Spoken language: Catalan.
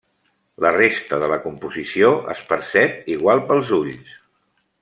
La resta de la composició es percep igual pels ulls.